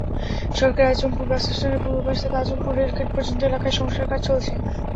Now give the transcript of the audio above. সড়কের আজমপুর বাসস্ট্যান্ডের পূর্ব পাশ থেকে আজমপুর রেলগেট পর্যন্ত এলাকায় সংস্কারকাজ চলছে।